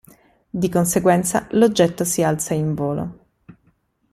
Di conseguenza l'oggetto si alza in volo.